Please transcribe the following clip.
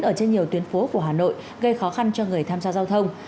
ở trên nhiều tuyến phố của hà nội gây khó khăn cho người tham gia giao thông